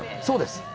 そうです。